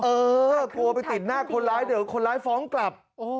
เออกลัวไปติดหน้าคนร้ายเดี๋ยวคนร้ายฟ้องกลับ